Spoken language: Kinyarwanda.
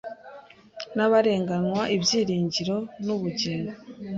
n’abarenganywa, ibyiringiro n’ubugingo.